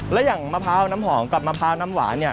และอย่างมะพร้าวน้ำหอมกับมะพร้าวน้ำหวานเนี่ย